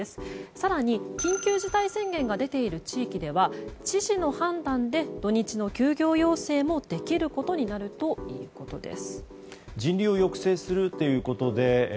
更に、緊急事態宣言が出ている地域では知事の判断で土日の休業要請もできることになるということです。